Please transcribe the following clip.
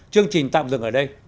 chương trình tạm dừng ở đây